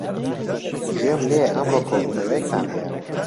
گوێم لێیە ئەمڕۆ کۆبوونەوەیەکتان هەیە.